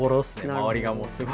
周りがもうすごい。